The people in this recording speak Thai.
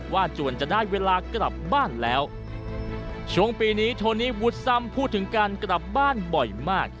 จวนจะได้เวลากลับบ้านแล้วช่วงปีนี้โทนี่วูดซัมพูดถึงการกลับบ้านบ่อยมาก